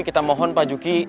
kita mohon pak yuki